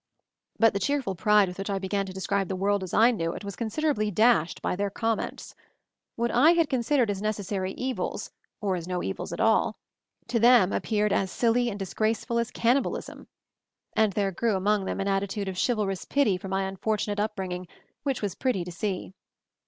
But the cheerful pride with which I began to describe the world as I knew it was con siderably dashed by their comments. What I had considered as necessary evils, or as no evils at all, to them appeared as silly and 222 MOVING THE MOUNTAIN disgraceful as cannibalism; and there grew among them an attitude of chivalrous pity for my unfortunate upbringing which was pretty to see.